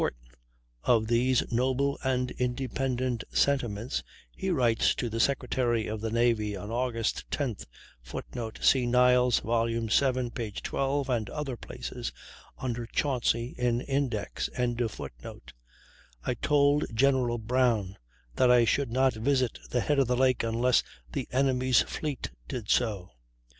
In further support of these noble and independent sentiments, he writes to the Secretary of the Navy on August 10th [Footnote: See Niles, vii, 12, and other places (under "Chauncy" in index).], "I told (General Brown) that I should not visit the head of the lake unless the enemy's fleet did so.